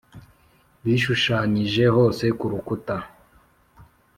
Bishushanyije hose ku rukuta .